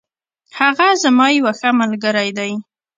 هغه زما یو ښه ملگری دی.